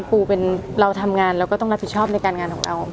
ปูเป็นเราทำงานเราก็ต้องรับผิดชอบในการงานของเรา